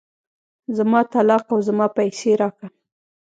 زما طلاق او زما پيسې راکه.